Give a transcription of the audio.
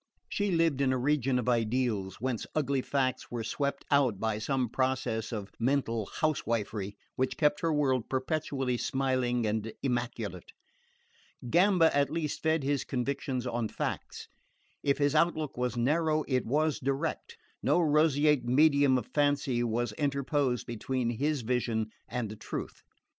She lived in a region of ideals, whence ugly facts were swept out by some process of mental housewifery which kept her world perpetually smiling and immaculate. Gamba at least fed his convictions on facts. If his outlook was narrow it was direct: no roseate medium of fancy was interposed between his vision and the truth.